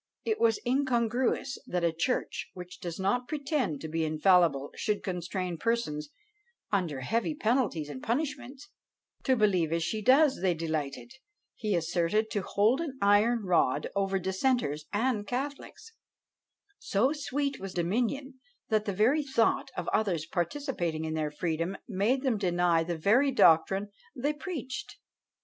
It was incongruous that a church, which does not pretend to be infallible, should constrain persons, under heavy penalties and punishments, to believe as she does: they delighted, he asserted, to hold an iron rod over dissenters and catholics; so sweet was dominion, that the very thought of others participating in their freedom made them deny the very doctrine they preached."